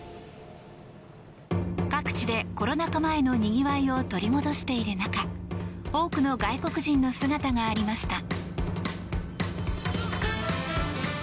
各地でコロナ禍前のにぎわいを取り戻している中多くの外国人の姿がありました。